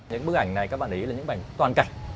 những bức ảnh này các bạn thấy là những bức ảnh toàn cảnh